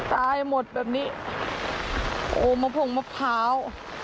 ตายหมดแบบนี้โอ้มะผงมะพร้าว